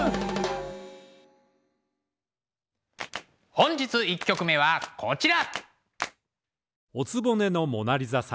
本日１曲目はこちら。